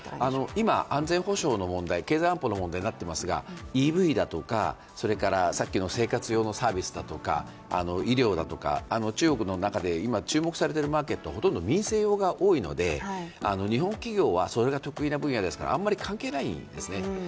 今、安全保障の問題、経済安保の問題になっていますが、ＥＶだとかそれからさっきの生活用のサービスだとか医療だとか、中国の中で今注目されているマーケットはほとんど民生用が多いので、日本企業はそれが得意な分野ですから、あんまり関係ないんですね。